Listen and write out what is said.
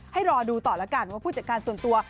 ให้รอดูต่อแล้วกันว่าผู้จัดการส่วนตัว